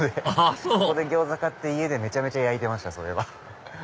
あっそう餃子買って家でめちゃめちゃ焼いてました。